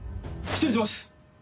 失礼します！